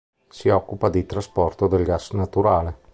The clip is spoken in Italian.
Si occupa di trasporto del gas naturale.